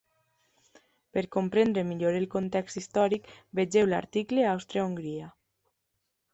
Per comprendre millor el context històric, vegeu l'article Àustria-Hongria.